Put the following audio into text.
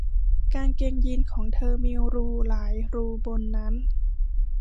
กางเกงยีนส์ของเธอมีรูหลายรูบนนั้น